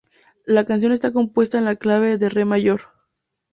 La canción está compuesta en la clave de "re" mayor.